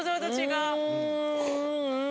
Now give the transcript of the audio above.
うん！